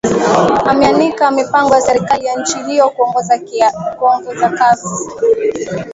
ameanika mipango ya serikali ya nchi hiyo kuongeza kasi